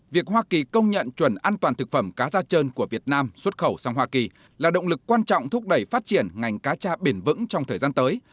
việc hoa kỳ công nhận chuẩn an toàn thực phẩm cá da trơn của việt nam xuất khẩu sang hoa kỳ là động lực quan trọng thúc đẩy phát triển ngành cá cha bền vững trong thời gian tới